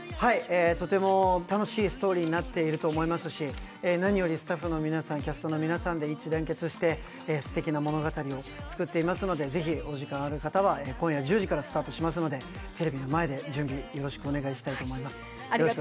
とても楽しいストーリーになっていると思いますし、何よりスタッフの皆さん、キャストの皆さんで一致団結して、すてきな物語を作っていますのでぜひお時間ある方は、今夜１０時からスタートしますのでテレビの前で準備、よろしくお願いしたいと思います。